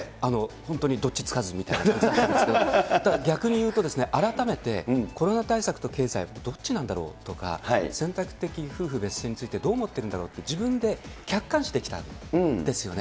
本当にどっちつかずみたいな感じなんですけれども、だから逆に言うと、改めてコロナ対策と経済ってどっちなんだろうとか、選択的夫婦別姓についてどう思っているんだろうと自分で客観視できたんですよね。